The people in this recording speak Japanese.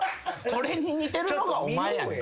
これに似てるのがお前やねんで。